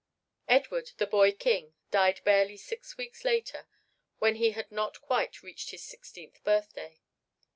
Edward, the boy king, died barely six weeks later, when he had not quite reached his sixteenth birthday.